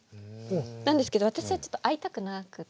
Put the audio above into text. なんですけど私はちょっと会いたくなくて。